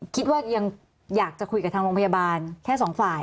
คิดว่ายังอยากจะคุยกับทางโรงพยาบาลแค่สองฝ่าย